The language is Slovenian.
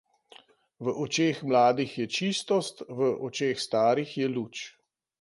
V očeh mladih je čistost, v očeh starih je luč.